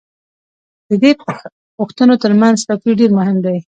د دې پوښتنو تر منځ توپیر دېر مهم دی.